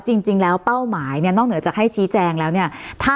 จริงแล้วเป้าหมายเนี่ยนอกเหนือจากให้ชี้แจงแล้วเนี่ย